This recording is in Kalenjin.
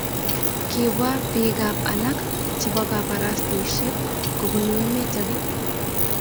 kibwa biikab alak chebo kabarastaosiek kobunu emet age